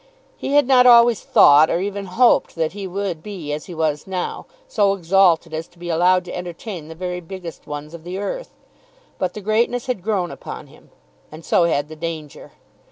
He had not always thought, or even hoped, that he would be as he was now, so exalted as to be allowed to entertain the very biggest ones of the earth; but the greatness had grown upon him, and so had the danger.